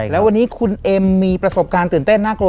แล้ววันนี้คุณเอ็มมีประสบการณ์ตื่นเต้นน่ากลัว